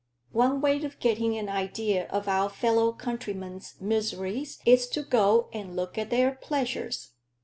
One way of getting an idea of our fellow countrymen's miseries is to go and look at their pleasures.